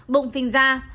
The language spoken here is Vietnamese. bụng phình ra